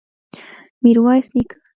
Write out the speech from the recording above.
ميرويس نيکه!